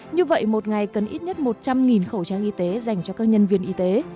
như vậy một ngày cần ít nhất một trăm linh khẩu trang y tế dành cho các nhân viên y tế